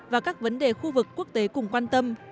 và các vấn đề khu vực quốc tế cùng quan tâm